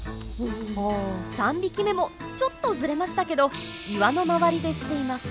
３匹目もちょっとずれましたけど岩の周りでしています。